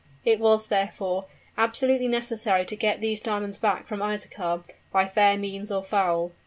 It was, therefore, absolutely necessary to get these diamonds back from Isaachar, by fair means or foul.